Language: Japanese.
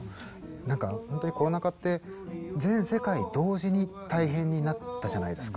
何かほんとにコロナ禍って全世界同時に大変になったじゃないですか。